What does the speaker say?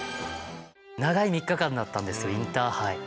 長い３日間だったんですよインターハイ。